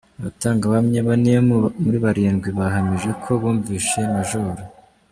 Abatangabuhamya bane muri barindwi bahamije ko bumvise Maj.